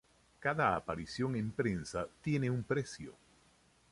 Cada aparición en prensa tiene un precio.